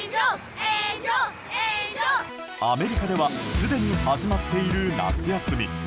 アメリカではすでに始まっている夏休み。